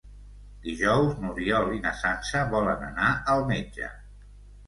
Dijous n'Oriol i na Sança volen anar al metge.